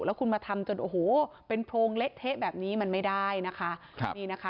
แล้วคุณมาทำจนโอ้โหเป็นโพงเล็กเทะแบบนี้มันไม่ได้นะคะ